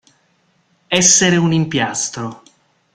Essere un impiastro.